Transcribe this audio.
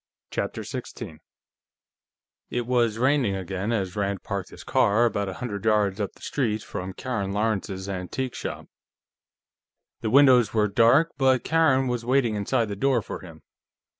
CHAPTER 16 It was raining again as Rand parked his car about a hundred yards up the street from Karen Lawrence's antique shop. The windows were dark, but Karen was waiting inside the door for him.